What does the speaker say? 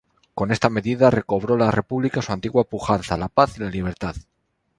Con esta medida, recobró la República su antigua pujanza, la paz y la libertad.